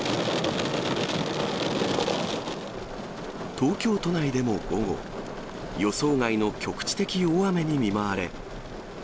東京都内でも午後、予想外の局地的大雨に見舞われ。